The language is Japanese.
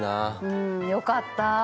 うんよかった。